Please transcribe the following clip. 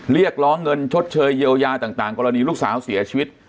เรียกร้องเงินชดเชยเยียวยาต่างกรณีลูกสาวเสียชีวิต